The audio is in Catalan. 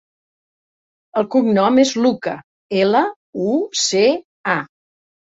El cognom és Luca: ela, u, ce, a.